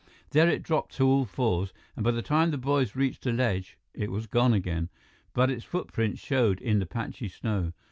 There it dropped to all fours, and by the time the boys reached the ledge, it was gone again, but its footprints showed in the patchy snow.